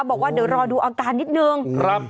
บอกว่าเดี๋ยวรอดูอาการนิดนึง